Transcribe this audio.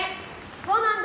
そうなんだ。